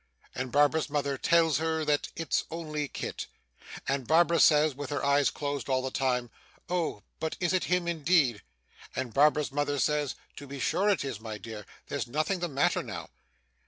and Barbara's mother tells her that 'it's only Kit;' and Barbara says (with her eyes closed all the time) 'Oh! but is it him indeed?' and Barbara's mother says 'To be sure it is, my dear; there's nothing the matter now.